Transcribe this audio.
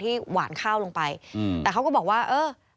แต่ช่วงหลังระดับน้ำที่ทั่วมันก็เริ่มลดลงบ้างแล้วนะ